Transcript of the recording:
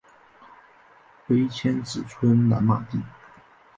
碑迁址村南马地。